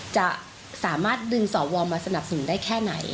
จะสามารถดึงสวมาสนับสนุนได้แค่ไหน